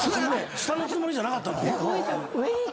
下のつもりじゃなかったの。